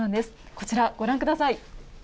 こちら、ご覧ください。